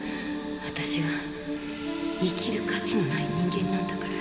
私は生きる価値のない人間なんだから。